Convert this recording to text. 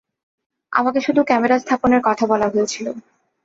আমাকে শুধু ক্যামেরা স্থাপনের কথা বলা হয়েছিল।